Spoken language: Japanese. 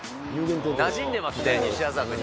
なじんでますね、西麻布に。